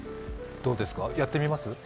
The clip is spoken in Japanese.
どうですか、やってみます？